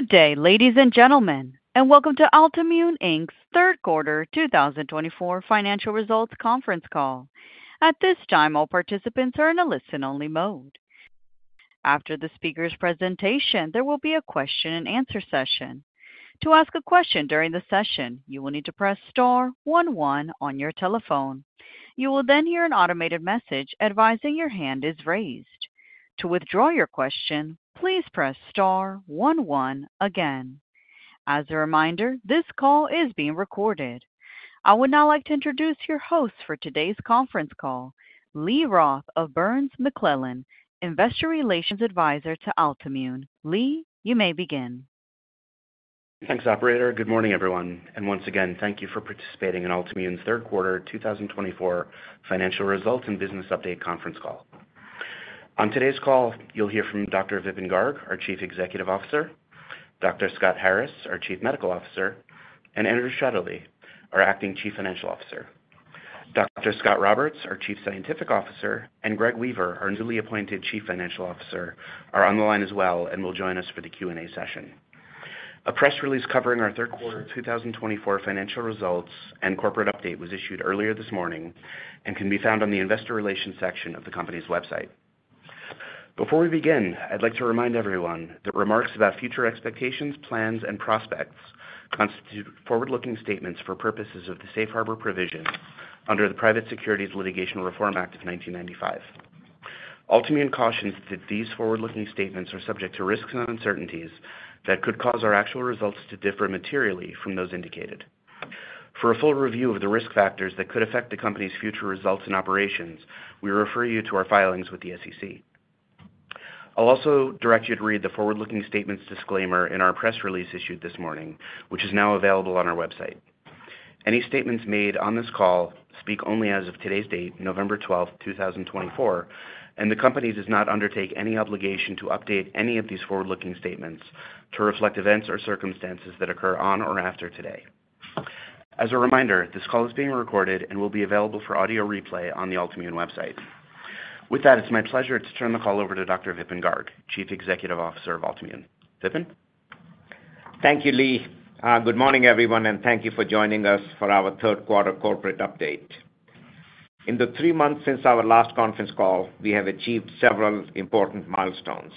Good day, ladies and gentlemen, and welcome to Altimmune Inc.'s Third Quarter 2024 Financial Results Conference Call. At this time, all participants are in a listen-only mode. After the speaker's presentation, there will be a question-and-answer session. To ask a question during the session, you will need to press star one one on your telephone. You will then hear an automated message advising your hand is raised. To withdraw your question, please press star one one again. As a reminder, this call is being recorded. I would now like to introduce your host for today's conference call, Lee Roth of Burns McClellan, Investor Relations Advisor to Altimmune. Lee, you may begin. Thanks, Operator. Good morning, everyone. And once again, thank you for participating in Altimmune's Third Quarter 2024 Financial Results and Business Update Conference Call. On today's call, you'll hear from Dr. Vipin Garg, our CEO, Dr. Scott Harris, our CMO, and Andrew Shutterly, our Acting CFO. Dr. Scott Roberts, our CSO, and Greg Weaver, our newly appointed CFO are on the line as well and will join us for the Q&A session. A press release covering our Third Quarter 2024 Financial Results and Corporate Update was issued earlier this morning and can be found on the Investor Relations section of the company's website. Before we begin, I'd like to remind everyone that remarks about future expectations, plans, and prospects constitute forward-looking statements for purposes of the Safe Harbor Provision under the Private Securities Litigation Reform Act of 1995. Altimmune cautions that these forward-looking statements are subject to risks and uncertainties that could cause our actual results to differ materially from those indicated. For a full review of the risk factors that could affect the company's future results and operations, we refer you to our filings with the SEC. I'll also direct you to read the forward-looking statements disclaimer in our press release issued this morning, which is now available on our website. Any statements made on this call speak only as of today's date, November 12th, 2024, and the company does not undertake any obligation to update any of these forward-looking statements to reflect events or circumstances that occur on or after today. As a reminder, this call is being recorded and will be available for audio replay on the Altimmune website. With that, it's my pleasure to turn the call over to Dr. Vipin Garg, CEO of Altimmune. Vipin? Thank you, Lee. Good morning, everyone, and thank you for joining us for our Third Quarter Corporate Update. In the three months since our last conference call, we have achieved several important milestones.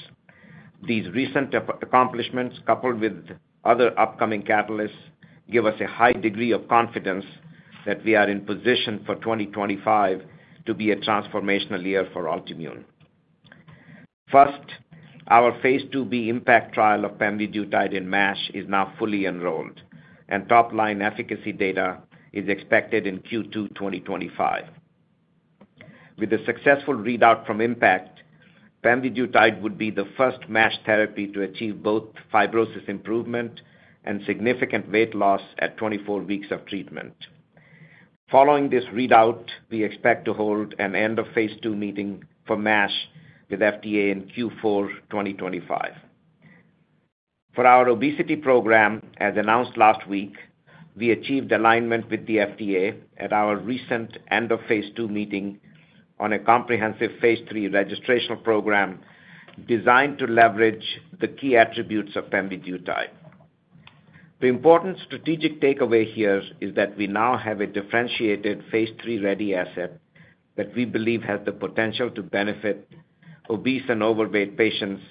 These recent accomplishments, coupled with other upcoming catalysts, give us a high degree of confidence that we are in position for 2025 to be a transformational year for Altimmune. First, our phase 2b IMPACT trial of pemvidutide in MASH is now fully enrolled, and top-line efficacy data is expected in Q2 2025. With the successful readout from IMPACT, pemvidutide would be the first MASH therapy to achieve both fibrosis improvement and significant weight loss at 24 weeks of treatment. Following this readout, we expect to hold an end-of-phase 2 meeting for MASH with FDA in Q4 2025. For our obesity program, as announced last week, we achieved alignment with the FDA at our recent end-of-phase 2 meeting on a comprehensive phase 3 registration program designed to leverage the key attributes of pemvidutide. The important strategic takeaway here is that we now have a differentiated phase 3-ready asset that we believe has the potential to benefit obese and overweight patients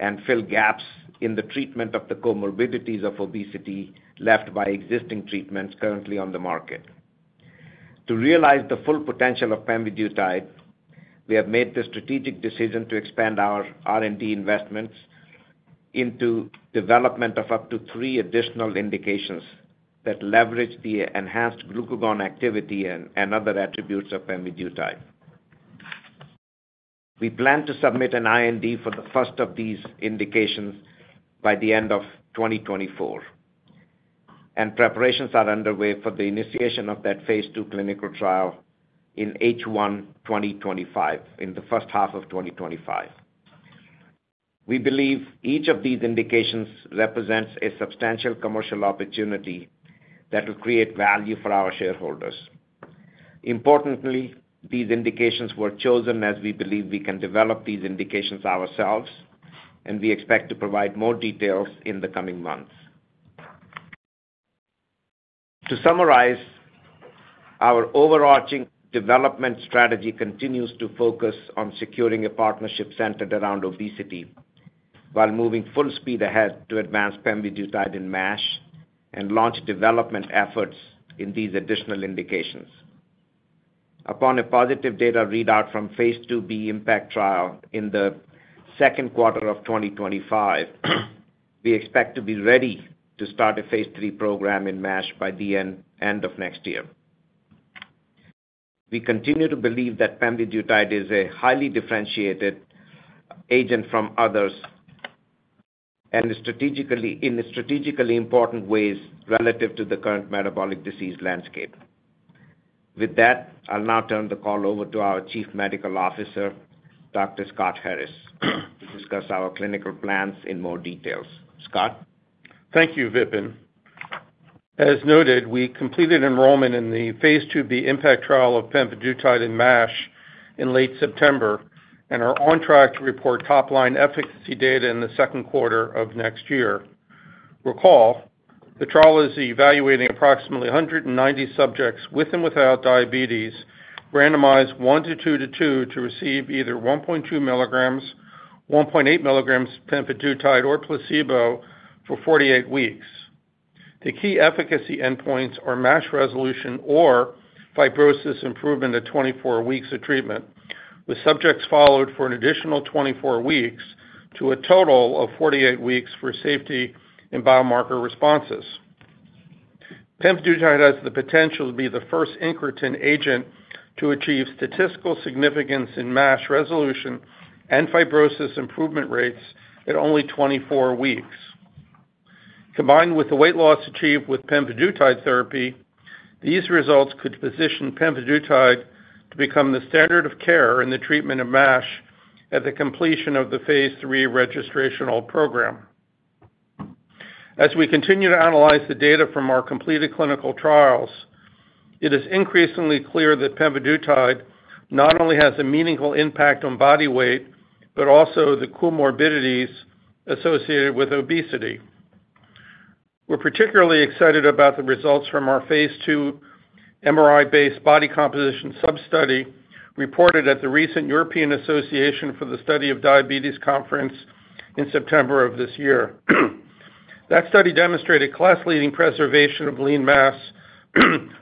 and fill gaps in the treatment of the comorbidities of obesity left by existing treatments currently on the market. To realize the full potential of pemvidutide, we have made the strategic decision to expand our R&D investments into development of up to three additional indications that leverage the enhanced glucagon activity and other attributes of pemvidutide. We plan to submit an IND for the first of these indications by the end of 2024, and preparations are underway for the initiation of that phase 2 clinical trial in H1 2025, in the first half of 2025. We believe each of these indications represents a substantial commercial opportunity that will create value for our shareholders. Importantly, these indications were chosen as we believe we can develop these indications ourselves, and we expect to provide more details in the coming months. To summarize, our overarching development strategy continues to focus on securing a partnership centered around obesity while moving full speed ahead to advance pemvidutide in MASH and launch development efforts in these additional indications. Upon a positive data readout from phase 2b IMPACT trial in the second quarter of 2025, we expect to be ready to start a phase 3 program in MASH by the end of next year. We continue to believe that pemvidutide is a highly differentiated agent from others and is strategically important ways relative to the current metabolic disease landscape. With that, I'll now turn the call over to our Chief Medical Officer, Dr. Scott Harris, to discuss our clinical plans in more detail. Scott? Thank you, Vipin. As noted, we completed enrollment in the phase 2b IMPACT trial of pemvidutide in MASH in late September and are on track to report top-line efficacy data in the second quarter of next year. Recall, the trial is evaluating approximately 190 subjects with and without diabetes, randomized 1:2:2 to receive either 1.2 mg, 1.8 mg of pemvidutide or placebo for 48 weeks. The key efficacy endpoints are MASH resolution or fibrosis improvement at 24 weeks of treatment, with subjects followed for an additional 24 weeks to a total of 48 weeks for safety and biomarker responses. Pemvidutide has the potential to be the first incretin agent to achieve statistical significance in MASH resolution and fibrosis improvement rates at only 24 weeks. Combined with the weight loss achieved with pemvidutide therapy, these results could position pemvidutide to become the standard of care in the treatment of MASH at the completion of the phase 3 registration program. As we continue to analyze the data from our completed clinical trials, it is increasingly clear that pemvidutide not only has a meaningful impact on body weight but also the comorbidities associated with obesity. We're particularly excited about the results from our phase 2 MRI-based body composition sub-study reported at the recent European Association for the Study of Diabetes conference in September of this year. That study demonstrated class-leading preservation of lean mass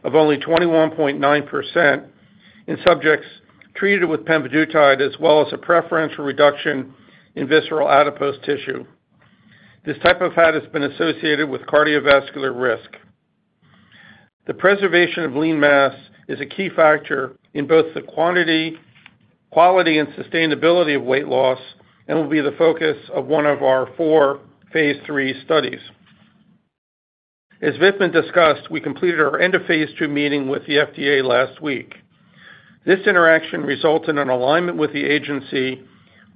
of only 21.9% in subjects treated with pemvidutide as well as a preferential reduction in visceral adipose tissue. This type of fat has been associated with cardiovascular risk. The preservation of lean mass is a key factor in both the quantity, quality, and sustainability of weight loss and will be the focus of one of our four phase 3 studies. As Vipin discussed, we completed our end-of-phase 2 meeting with the FDA last week. This interaction resulted in alignment with the agency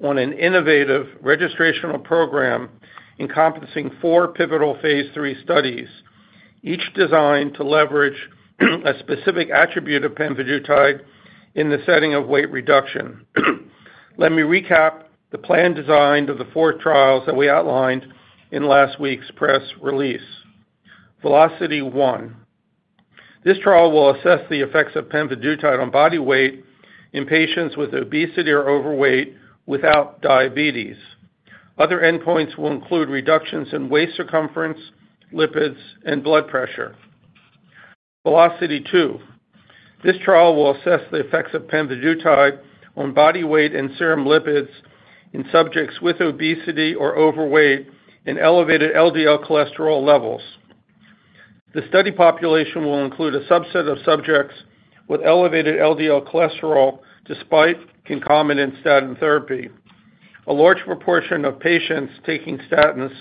on an innovative registration program encompassing four pivotal phase 3 studies, each designed to leverage a specific attribute of pemvidutide in the setting of weight reduction. Let me recap the plan designed of the four trials that we outlined in last week's press release. VELOCITY 1. This trial will assess the effects of pemvidutide on body weight in patients with obesity or overweight without diabetes. Other endpoints will include reductions in waist circumference, lipids, and blood pressure. VELOCITY 2. This trial will assess the effects of pemvidutide on body weight and serum lipids in subjects with obesity or overweight and elevated LDL cholesterol levels. The study population will include a subset of subjects with elevated LDL cholesterol despite concomitant statin therapy. A large proportion of patients taking statins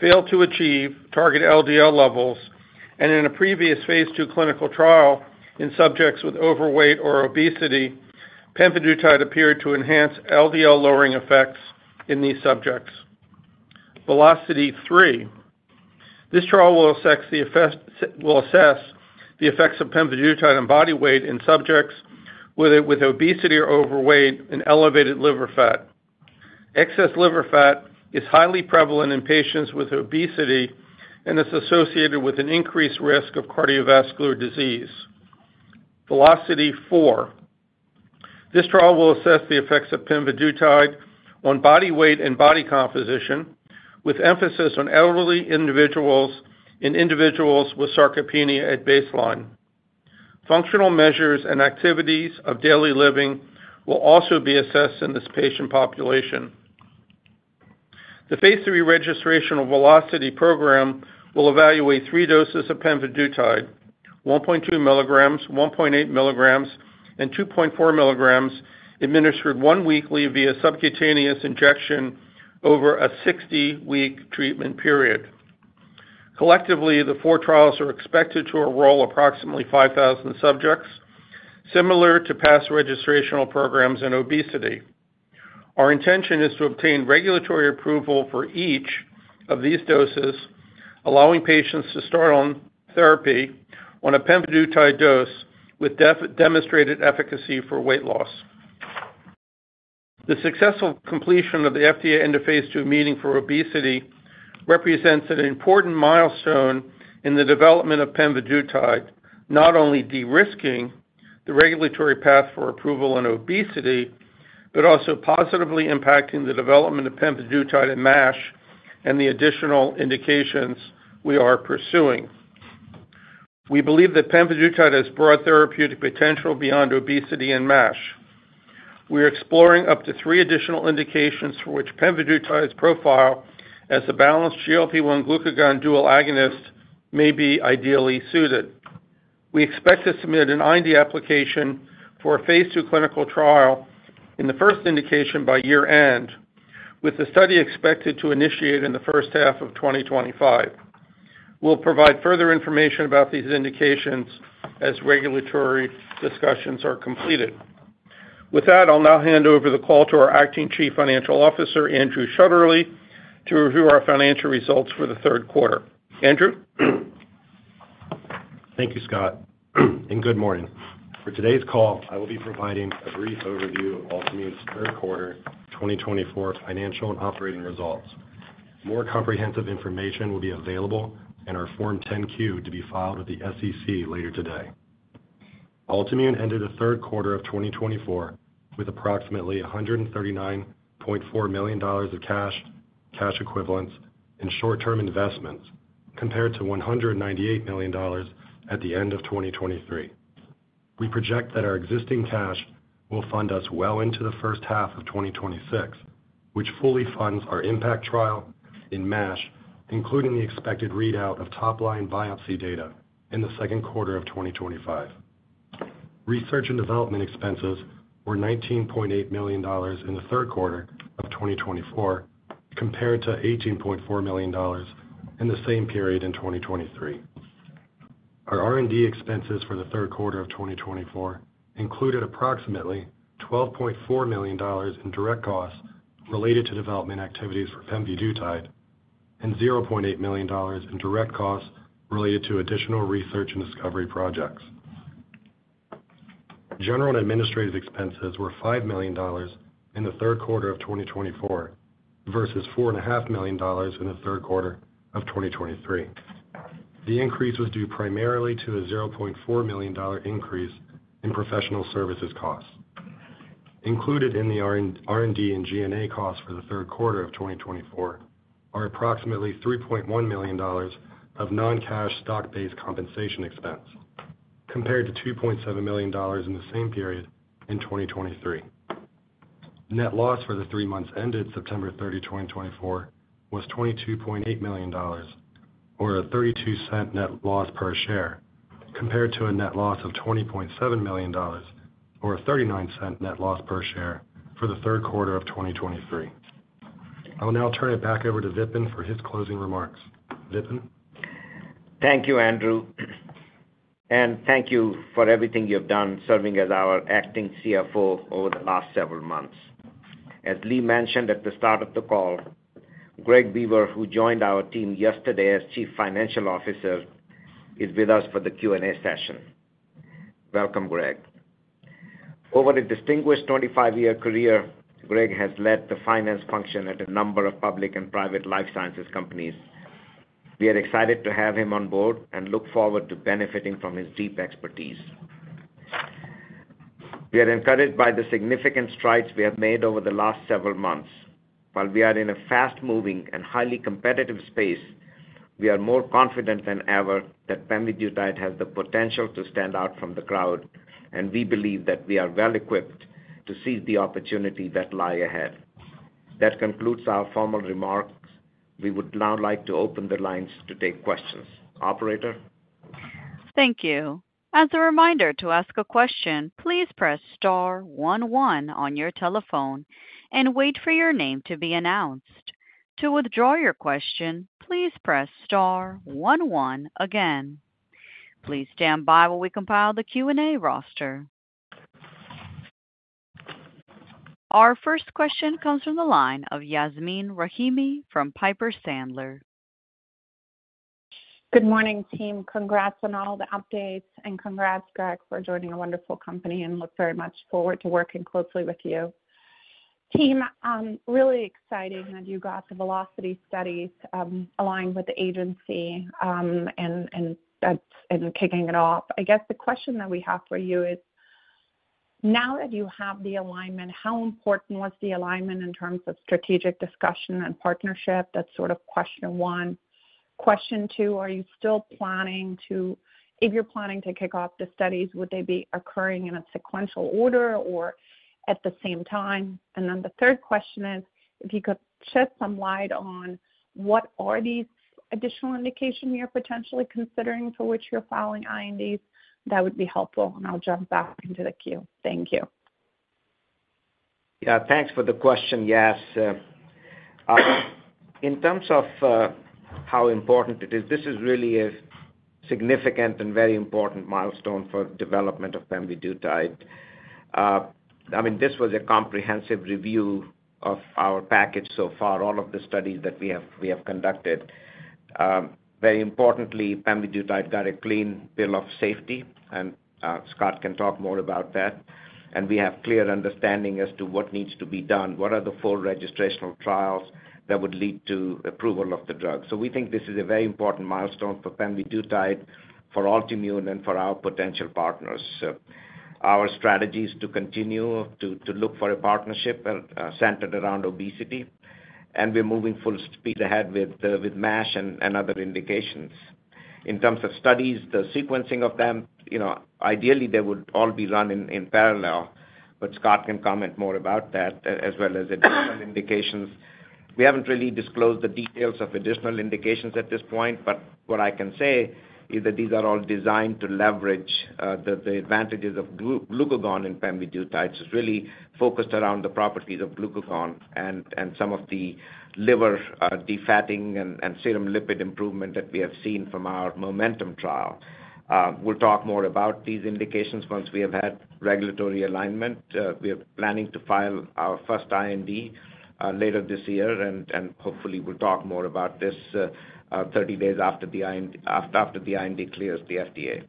failed to achieve target LDL levels, and in a previous phase 2 clinical trial in subjects with overweight or obesity, pemvidutide appeared to enhance LDL-lowering effects in these subjects. VELOCITY 3. This trial will assess the effects of pemvidutide on body weight in subjects with obesity or overweight and elevated liver fat. Excess liver fat is highly prevalent in patients with obesity and is associated with an increased risk of cardiovascular disease. VELOCITY 4. This trial will assess the effects of pemvidutide on body weight and body composition, with emphasis on elderly individuals and individuals with sarcopenia at baseline. Functional measures and activities of daily living will also be assessed in this patient population. The phase 3 registration or VELOCITY program will evaluate three doses of pemvidutide: 1.2 mg, 1.8 mg, and 2.4 mg administered one weekly via subcutaneous injection over a 60-week treatment period. Collectively, the four trials are expected to enroll approximately 5,000 subjects, similar to past registration programs in obesity. Our intention is to obtain regulatory approval for each of these doses, allowing patients to start on therapy on a pemvidutide dose with demonstrated efficacy for weight loss. The successful completion of the FDA end-of-phase 2 meeting for obesity represents an important milestone in the development of pemvidutide, not only de-risking the regulatory path for approval on obesity but also positively impacting the development of pemvidutide in MASH and the additional indications we are pursuing. We believe that pemvidutide has broad therapeutic potential beyond obesity and MASH. We are exploring up to three additional indications for which pemvidutide's profile as a balanced GLP-1 glucagon dual agonist may be ideally suited. We expect to submit an IND application for a phase 2 clinical trial in the first indication by year-end, with the study expected to initiate in the first half of 2025. We'll provide further information about these indications as regulatory discussions are completed. With that, I'll now hand over the call to our Acting Chief Financial Officer, Andrew Shutterly, to review our financial results for the third quarter. Andrew? Thank you, Scott, and good morning. For today's call, I will be providing a brief overview of Altimmune's third quarter 2024 financial and operating results. More comprehensive information will be available in our Form 10-Q to be filed with the SEC later today. Altimmune ended the third quarter of 2024 with approximately $139.4 million of cash, cash equivalents, and short-term investments compared to $198 million at the end of 2023. We project that our existing cash will fund us well into the first half of 2026, which fully funds our IMPACT trial in MASH, including the expected readout of top-line biopsy data in the second quarter of 2025. Research and development expenses were $19.8 million in the third quarter of 2024 compared to $18.4 million in the same period in 2023. Our R&D expenses for the third quarter of 2024 included approximately $12.4 million in direct costs related to development activities for pemvidutide and $0.8 million in direct costs related to additional research and discovery projects. General and administrative expenses were $5 million in the third quarter of 2024 versus $4.5 million in the third quarter of 2023. The increase was due primarily to a $0.4 million increase in professional services costs. Included in the R&D and G&A costs for the third quarter of 2024 are approximately $3.1 million of non-cash stock-based compensation expense compared to $2.7 million in the same period in 2023. Net loss for the three months ended September 30, 2024, was $22.8 million, or a $0.32 net loss per share, compared to a net loss of $20.7 million, or a $0.39 net loss per share for the third quarter of 2023. I'll now turn it back over to Vipin for his closing remarks. Vipin? Thank you, Andrew. And thank you for everything you've done serving as our Acting CFO over the last several months. As Lee mentioned at the start of the call, Greg Weaver, who joined our team yesterday as Chief Financial Officer, is with us for the Q&A session. Welcome, Greg. Over a distinguished 25-year career, Greg has led the finance function at a number of public and private life sciences companies. We are excited to have him on board and look forward to benefiting from his deep expertise. We are encouraged by the significant strides we have made over the last several months. While we are in a fast-moving and highly competitive space, we are more confident than ever that pemvidutide has the potential to stand out from the crowd, and we believe that we are well-equipped to seize the opportunity that lies ahead. That concludes our formal remarks. We would now like to open the lines to take questions. Operator? Thank you. As a reminder to ask a question, please press star one one on your telephone and wait for your name to be announced. To withdraw your question, please press star one one again. Please stand by while we compile the Q&A roster. Our first question comes from the line of Yasmeen Rahimi from Piper Sandler. Good morning, team. Congrats on all the updates, and congrats, Greg, for joining a wonderful company. And look very much forward to working closely with you. Team, really exciting that you got the velocity studies aligned with the agency and kicking it off. I guess the question that we have for you is, now that you have the alignment, how important was the alignment in terms of strategic discussion and partnership? That's sort of question one. Question two, are you still planning to, if you're planning to kick off the studies, would they be occurring in a sequential order or at the same time? And then the third question is, if you could shed some light on what are these additional indications you're potentially considering for which you're filing INDs, that would be helpful, and I'll jump back into the queue. Thank you. Yeah, thanks for the question, Yas. In terms of how important it is, this is really a significant and very important milestone for the development of pemvidutide. I mean, this was a comprehensive review of our package so far, all of the studies that we have conducted. Very importantly, pemvidutide got a clean bill of safety, and Scott can talk more about that, and we have clear understanding as to what needs to be done, what are the four registrational trials that would lead to approval of the drug, so we think this is a very important milestone for pemvidutide, for Altimmune, and for our potential partners. Our strategy is to continue to look for a partnership centered around obesity, and we're moving full speed ahead with MASH and other indications. In terms of studies, the sequencing of them, ideally, they would all be run in parallel, but Scott can comment more about that, as well as additional indications. We haven't really disclosed the details of additional indications at this point, but what I can say is that these are all designed to leverage the advantages of glucagon in pemvidutide, so it's really focused around the properties of glucagon and some of the liver defatting and serum lipid improvement that we have seen from our MOMENTUM trial. We'll talk more about these indications once we have had regulatory alignment. We are planning to file our first IND later this year, and hopefully, we'll talk more about this 30 days after the IND clears the FDA.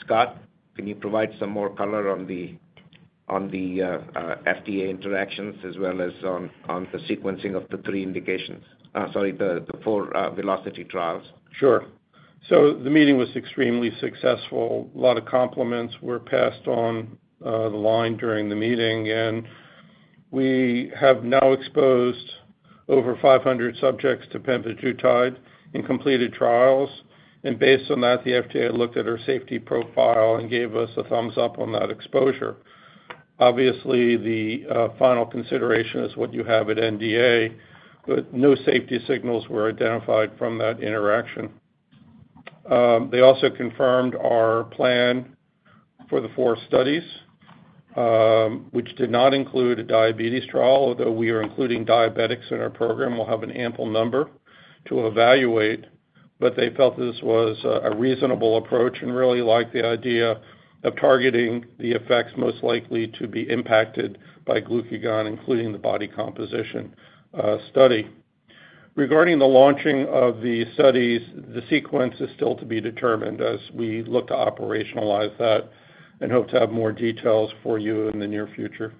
Scott, can you provide some more color on the FDA interactions as well as on the sequencing of the three indications, sorry, the four VELOCITY trials? Sure. So the meeting was extremely successful. A lot of compliments were passed on the line during the meeting, and we have now exposed over 500 subjects to pemvidutide in completed trials. And based on that, the FDA looked at our safety profile and gave us a thumbs-up on that exposure. Obviously, the final consideration is what you have at NDA, but no safety signals were identified from that interaction. They also confirmed our plan for the four studies, which did not include a diabetes trial, although we are including diabetics in our program. We'll have an ample number to evaluate, but they felt this was a reasonable approach and really liked the idea of targeting the effects most likely to be impacted by glucagon, including the body composition study. Regarding the launching of the studies, the sequence is still to be determined as we look to operationalize that and hope to have more details for you in the near future.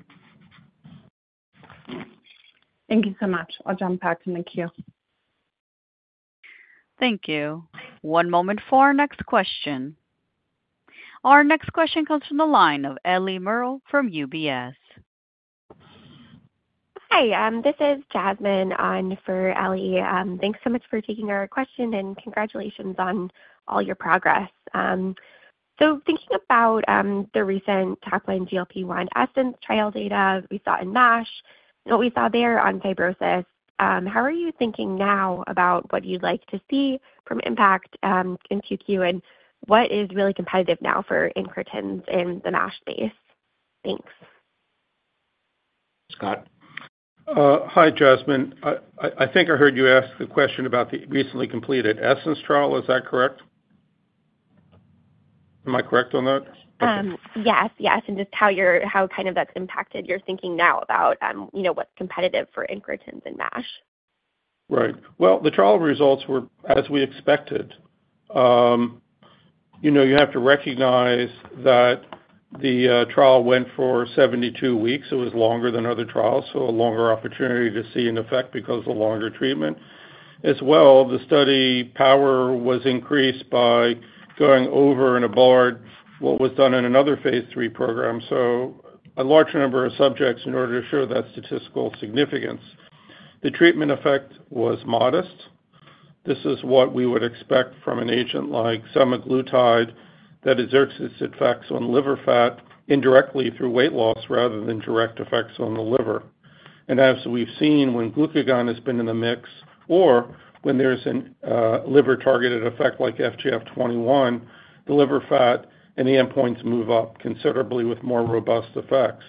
Thank you so much. I'll jump back in the queue. Thank you. One moment for our next question. Our next question comes from the line of Ellie Merle from UBS. Hi, this is Jasmine for Ellie. Thanks so much for taking our question, and congratulations on all your progress. So thinking about the recent top-line GLP-1 ESSENCE trial data we saw in MASH and what we saw there on fibrosis, how are you thinking now about what you'd like to see from IMPACT in Q2, and what is really competitive now for incretins in the MASH space? Thanks. Scott. Hi, Jasmine. I think I heard you ask the question about the recently completed ESSENCE trial. Is that correct? Am I correct on that? Yes, yes, and just how kind of that's impacted your thinking now about what's competitive for incretins in MASH? Right. Well, the trial results were as we expected. You have to recognize that the trial went for 72 weeks. It was longer than other trials, so a longer opportunity to see an effect because of the longer treatment. As well, the study power was increased by going over and above what was done in another phase 3 program. So a large number of subjects in order to show that statistical significance. The treatment effect was modest. This is what we would expect from an agent like semaglutide that exerts its effects on liver fat indirectly through weight loss rather than direct effects on the liver, and as we've seen, when glucagon has been in the mix or when there's a liver-targeted effect like FGF21, the liver fat and the endpoints move up considerably with more robust effects.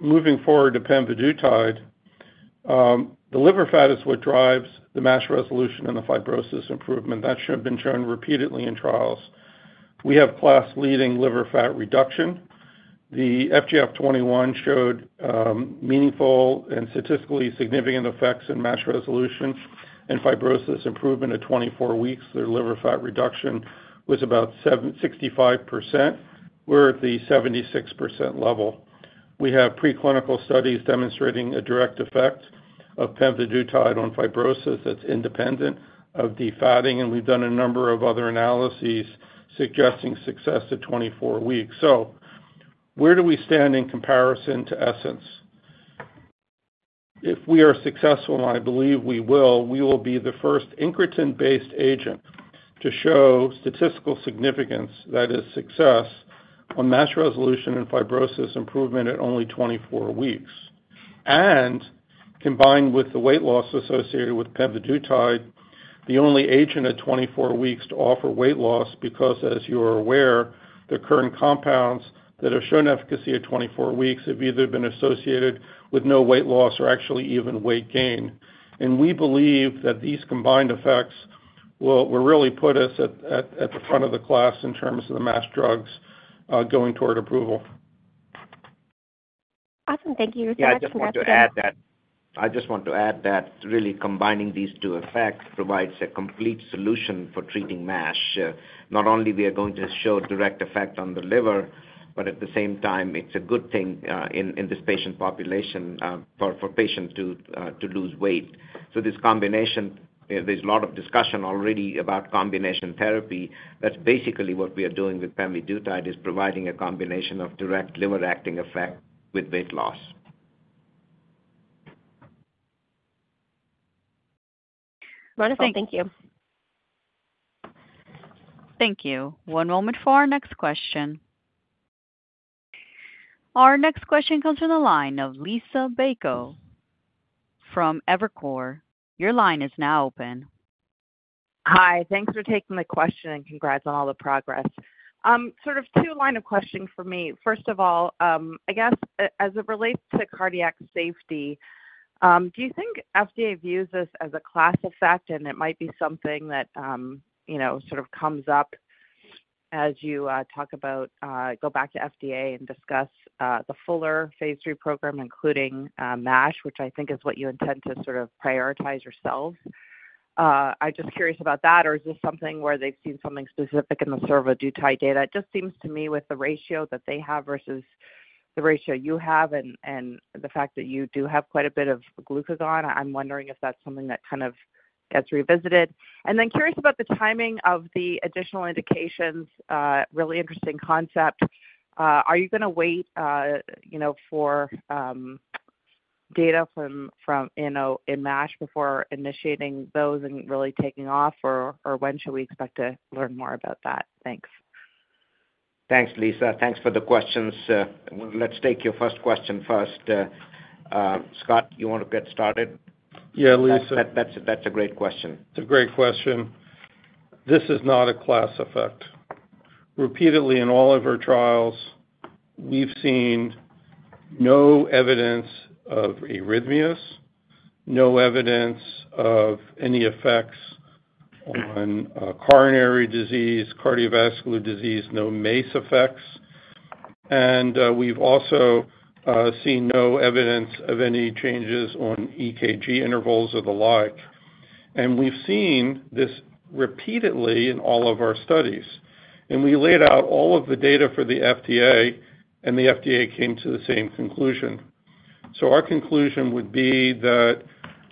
Moving forward to pemvidutide, the liver fat is what drives the MASH resolution and the fibrosis improvement. That should have been shown repeatedly in trials. We have class-leading liver fat reduction. The FGF21 showed meaningful and statistically significant effects in MASH resolution and fibrosis improvement at 24 weeks. Their liver fat reduction was about 65%. We're at the 76% level. We have preclinical studies demonstrating a direct effect of pemvidutide on fibrosis that's independent of defatting, and we've done a number of other analyses suggesting success at 24 weeks. Where do we stand in comparison to ESSENCE? If we are successful, and I believe we will, we will be the first incretin-based agent to show statistical significance, that is, success, on MASH resolution and fibrosis improvement at only 24 weeks. And combined with the weight loss associated with pemvidutide, the only agent at 24 weeks to offer weight loss because, as you are aware, the current compounds that have shown efficacy at 24 weeks have either been associated with no weight loss or actually even weight gain. And we believe that these combined effects will really put us at the front of the class in terms of the MASH drugs going toward approval. Awesome. Thank you. Thanks so much, Jasmine. Yeah, I just want to add that really combining these two effects provides a complete solution for treating MASH. Not only are we going to show a direct effect on the liver, but at the same time, it's a good thing in this patient population for patients to lose weight. So this combination, there's a lot of discussion already about combination therapy, that's basically what we are doing with pemvidutide, is providing a combination of direct liver-acting effect with weight loss. Wonderful. Thank you. Thank you. One moment for our next question. Our next question comes from the line of Liisa Bayko from Evercore. Your line is now open. Hi. Thanks for taking the question, and congrats on all the progress. Sort of two-line question for me. First of all, I guess as it relates to cardiac safety, do you think FDA views this as a class effect, and it might be something that sort of comes up as you talk about, go back to FDA and discuss the fuller phase 3 program, including MASH, which I think is what you intend to sort of prioritize yourselves? I'm just curious about that, or is this something where they've seen something specific in the survodutide data? It just seems to me, with the ratio that they have versus the ratio you have and the fact that you do have quite a bit of glucagon, I'm wondering if that's something that kind of gets revisited. And then curious about the timing of the additional indications. Really interesting concept. Are you going to wait for data from MASH before initiating those and really taking off, or when should we expect to learn more about that? Thanks. Thanks, Lisa. Thanks for the questions. Let's take your first question first. Scott, you want to get started? Yeah, Lisa. That's a great question. It's a great question. This is not a class effect. Repeatedly, in all of our trials, we've seen no evidence of arrhythmias, no evidence of any effects on coronary disease, cardiovascular disease, no MACE effects. And we've also seen no evidence of any changes on EKG intervals or the like. And we've seen this repeatedly in all of our studies. And we laid out all of the data for the FDA, and the FDA came to the same conclusion. So our conclusion would be that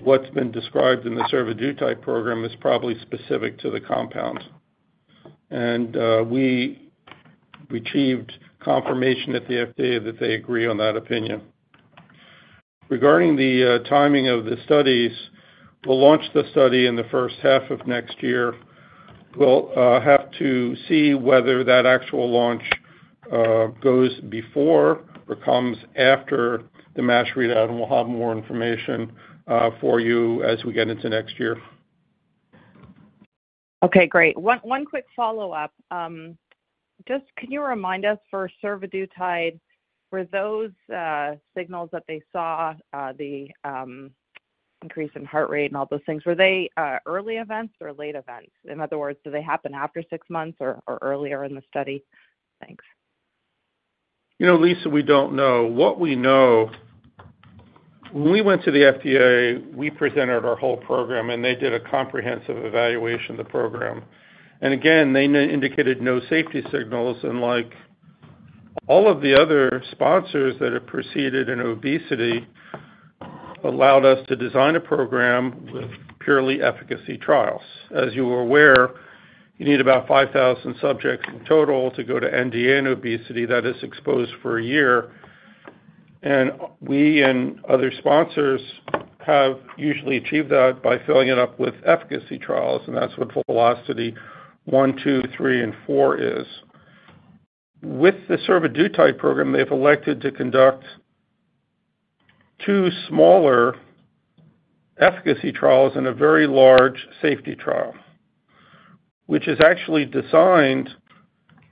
what's been described in the survodutide program is probably specific to the compound. And we received confirmation at the FDA that they agree on that opinion. Regarding the timing of the studies, we'll launch the study in the first half of next year. We'll have to see whether that actual launch goes before or comes after the MASH readout, and we'll have more information for you as we get into next year. Okay, great. One quick follow-up. Just can you remind us, for survodutide, were those signals that they saw, the increase in heart rate and all those things, were they early events or late events? In other words, did they happen after six months or earlier in the study? Thanks. You know, Lisa, we don't know. What we know, when we went to the FDA, we presented our whole program, and they did a comprehensive evaluation of the program. And again, they indicated no safety signals. Like all of the other sponsors that have proceeded in obesity, they allowed us to design a program with purely efficacy trials. As you are aware, you need about 5,000 subjects in total to go to NDA in obesity that is exposed for a year. We and other sponsors have usually achieved that by filling it up with efficacy trials, and that's what Velocity 1, 2, 3, and 4 is. With the survodutide program, they've elected to conduct two smaller efficacy trials and a very large safety trial, which is actually designed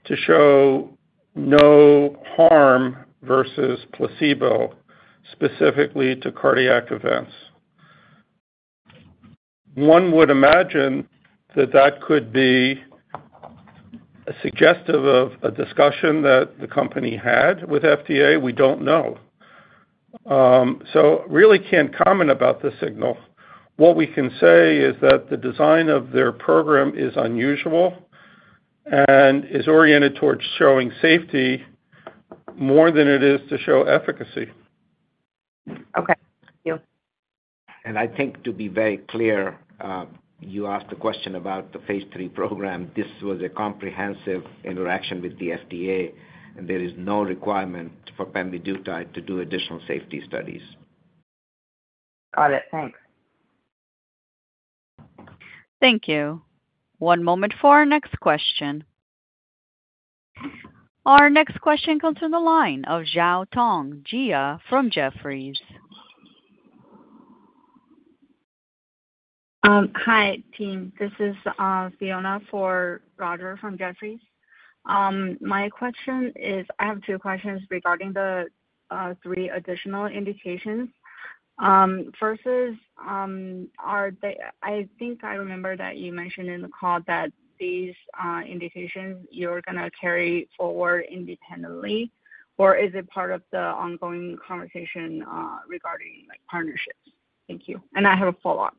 to show no harm versus placebo specifically to cardiac events. One would imagine that that could be suggestive of a discussion that the company had with FDA. We don't know. So really can't comment about the signal. What we can say is that the design of their program is unusual and is oriented towards showing safety more than it is to show efficacy. Okay. Thank you. I think to be very clear, you asked a question about the phase 3 program. This was a comprehensive interaction with the FDA, and there is no requirement for pemvidutide to do additional safety studies. Got it. Thanks. Thank you. One moment for our next question. Our next question comes from the line of Zhao Tong Jia from Jefferies. Hi, team. This is Fiona for Roger from Jefferies. My question is, I have two questions regarding the three additional indications. First is, I think I remember that you mentioned in the call that these indications, you're going to carry forward independently, or is it part of the ongoing conversation regarding partnerships? Thank you, and I have a follow-up.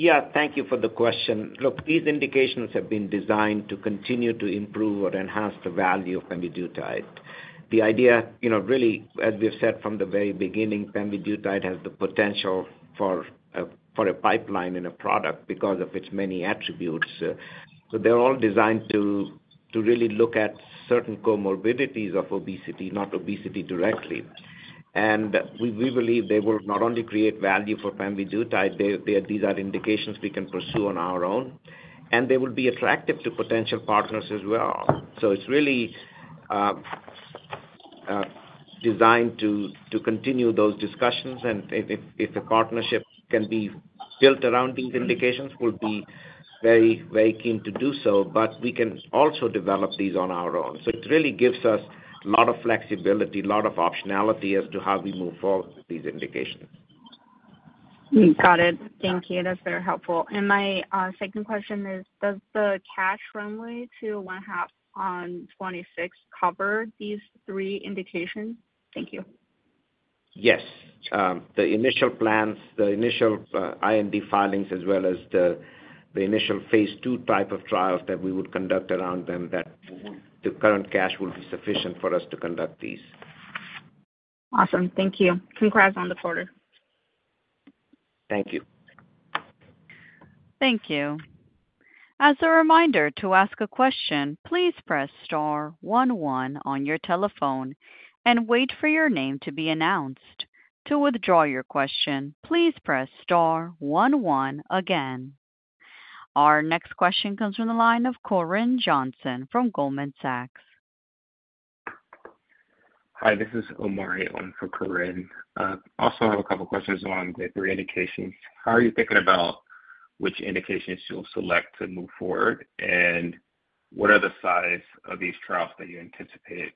Yeah, thank you for the question. Look, these indications have been designed to continue to improve or enhance the value of pemvidutide. The idea, really, as we've said from the very beginning, pemvidutide has the potential for a pipeline and a product because of its many attributes. So they're all designed to really look at certain comorbidities of obesity, not obesity directly. And we believe they will not only create value for pemvidutide. These are indications we can pursue on our own, and they will be attractive to potential partners as well. So it's really designed to continue those discussions. And if a partnership can be built around these indications, we'll be very, very keen to do so. But we can also develop these on our own. So it really gives us a lot of flexibility, a lot of optionality as to how we move forward with these indications. Got it. Thank you. That's very helpful. And my second question is, does the cash runway to one-half on 26 cover these three indications? Thank you. Yes. The initial plans, the initial IND filings, as well as the initial phase 2 type of trials that we would conduct around them, that the current cash will be sufficient for us to conduct these. Awesome. Thank you. Congrats on the quarter. Thank you. Thank you. As a reminder to ask a question, please press star one one on your telephone and wait for your name to be announced. To withdraw your question, please press star one again. Our next question comes from the line of Corinne Johnson from Goldman Sachs. Hi, this is Omari for Corinne. I also have a couple of questions on the three indications. How are you thinking about which indications you'll select to move forward, and what are the size of these trials that you anticipate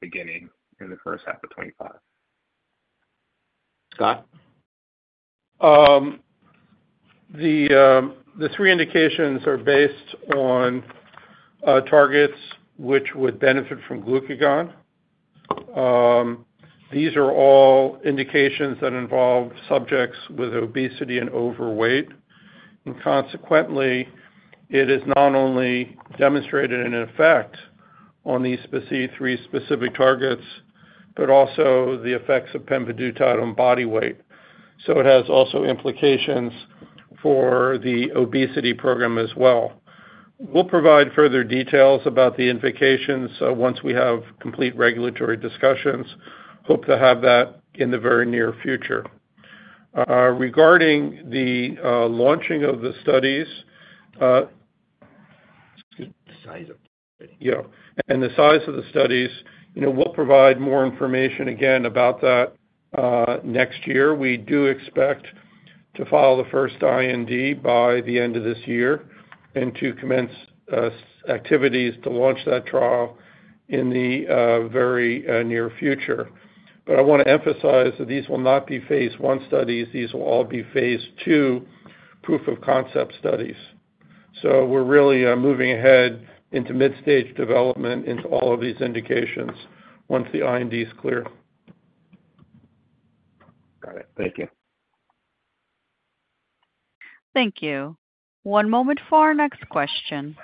beginning in the first half of 2025? Scott. The three indications are based on targets which would benefit from glucagon. These are all indications that involve subjects with obesity and overweight. And consequently, it is not only demonstrated in effect on these three specific targets, but also the effects of pemvidutide on body weight. So it has also implications for the obesity program as well. We'll provide further details about the indications once we have complete regulatory discussions. Hope to have that in the very near future. Regarding the launching of the studies. The size of the studies. Yeah. And the size of the studies. We'll provide more information again about that next year. We do expect to file the first IND by the end of this year and to commence activities to launch that trial in the very near future. But I want to emphasize that these will not be phase 1 studies. These will all be phase 2 proof of concept studies. So we're really moving ahead into mid-stage development into all of these indications once the IND is clear. Got it. Thank you. Thank you. One moment for our next question.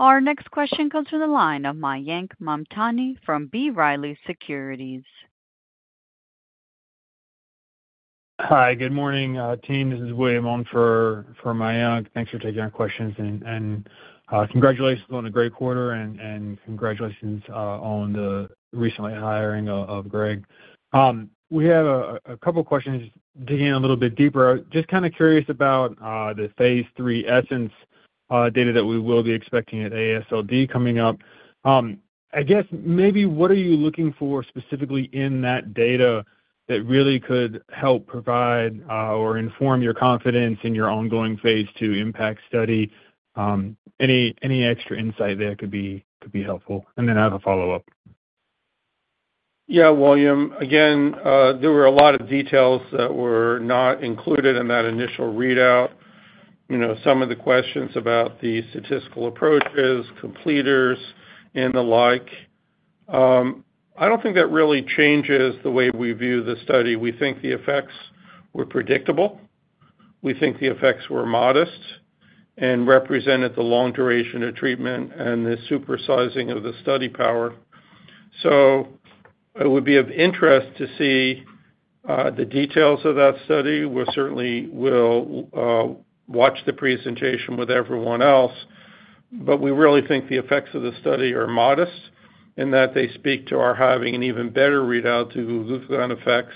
Our next question comes from the line of Mayank Mamtani from B. Riley Securities. Hi. Good morning, team. This is William Ong for Mayank. Thanks for taking our questions. Congratulations on a great quarter, and congratulations on the recent hiring of Greg. We have a couple of questions digging in a little bit deeper. Just kind of curious about the phase 3 ESSENCE data that we will be expecting at AASLD coming up. I guess maybe what are you looking for specifically in that data that really could help provide or inform your confidence in your ongoing phase 2 IMPACT study? Any extra insight there could be helpful. Then I have a follow-up. Yeah, William. Again, there were a lot of details that were not included in that initial readout. Some of the questions about the statistical approaches, completers, and the like. I don't think that really changes the way we view the study. We think the effects were predictable. We think the effects were modest and represented the long duration of treatment and the supersizing of the study power. So it would be of interest to see the details of that study. We certainly will watch the presentation with everyone else. But we really think the effects of the study are modest in that they speak to our having an even better readout to glucagon effects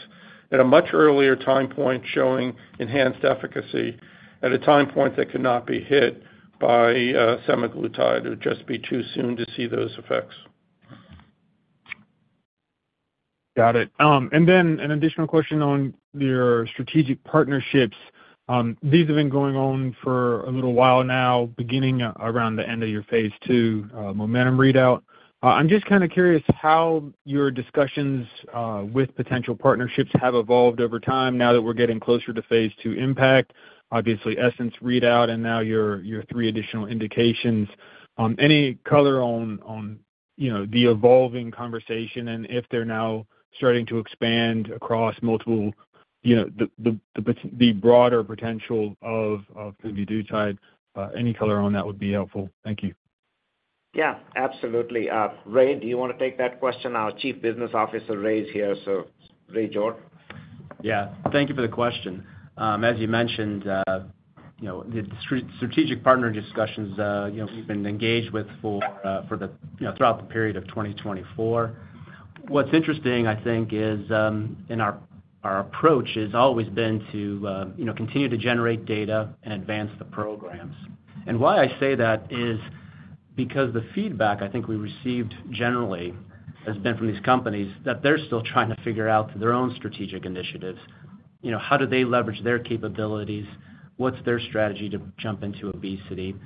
at a much earlier time point showing enhanced efficacy at a time point that could not be hit by semaglutide. It would just be too soon to see those effects. Got it. And then an additional question on your strategic partnerships. These have been going on for a little while now, beginning around the end of your phase 2 MOMENTUM readout. I'm just kind of curious how your discussions with potential partnerships have evolved over time now that we're getting closer to phase 2 IMPACT, obviously ESSENCE readout, and now your three additional indications. Any color on the evolving conversation and if they're now starting to expand across multiple the broader potential of pemvidutide? Any color on that would be helpful. Thank you. Yeah, absolutely. Ray, do you want to take that question? Our CBO, Ray's here. So Ray George. Yeah. Thank you for the question. As you mentioned, the strategic partner discussions we've been engaged with throughout the period of 2024. What's interesting, I think, is our approach has always been to continue to generate data and advance the programs. And why I say that is because the feedback I think we received generally has been from these companies that they're still trying to figure out their own strategic initiatives. How do they leverage their capabilities? What's their strategy to jump into obesity?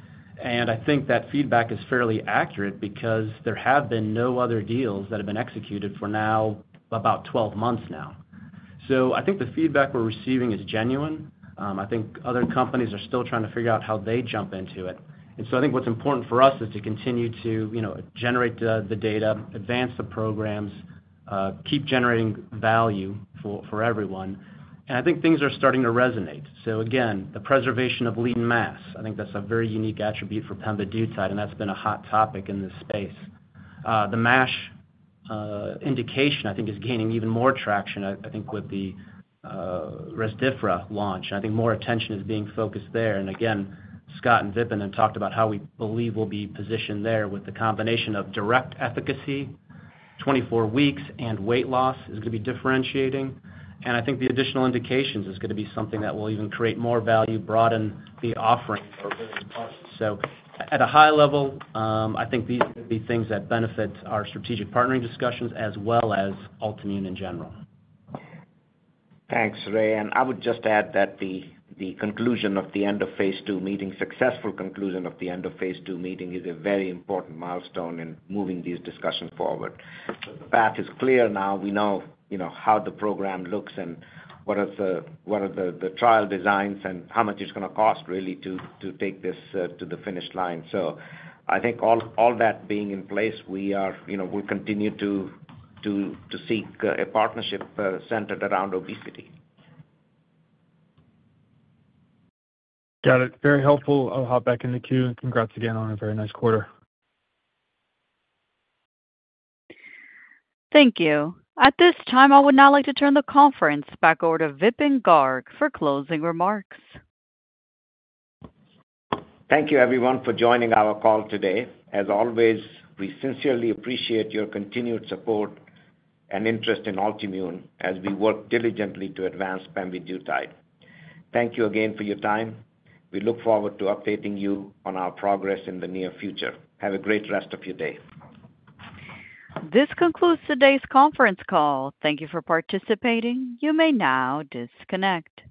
And I think that feedback is fairly accurate because there have been no other deals that have been executed for now about 12 months. So I think the feedback we're receiving is genuine. I think other companies are still trying to figure out how they jump into it. I think what's important for us is to continue to generate the data, advance the programs, keep generating value for everyone. I think things are starting to resonate. Again, the preservation of lean mass, I think that's a very unique attribute for pemvidutide, and that's been a hot topic in this space. The MASH indication, I think, is gaining even more traction, I think, with the Resdifra launch. I think more attention is being focused there. Again, Scott and Vipin had talked about how we believe we'll be positioned there with the combination of direct efficacy, 24 weeks, and weight loss is going to be differentiating. I think the additional indications is going to be something that will even create more value, broaden the offering. So at a high level, I think these are the things that benefit our strategic partnering discussions as well as Altimmune in general. Thanks, Ray, and I would just add that the successful conclusion of the end of phase 2 meeting is a very important milestone in moving these discussions forward. The path is clear now. We know how the program looks and what are the trial designs and how much it's going to cost really to take this to the finish line, so I think all that being in place, we will continue to seek a partnership centered around obesity. Got it. Very helpful. I'll hop back in the queue, and congrats again on a very nice quarter. Thank you. At this time, I would now like to turn the conference back over to Vipin Garg for closing remarks. Thank you, everyone, for joining our call today. As always, we sincerely appreciate your continued support and interest in Altimmune as we work diligently to advance pemvidutide. Thank you again for your time. We look forward to updating you on our progress in the near future. Have a great rest of your day. This concludes today's conference call. Thank you for participating. You may now disconnect.